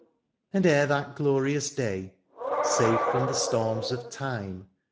And ere that glorious day. Safe firom the storms of time.